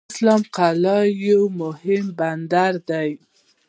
اسلام قلعه یو مهم بندر دی.